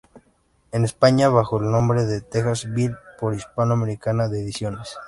En España, bajo el nombre de "Texas Bill", por Hispano Americana de Ediciones.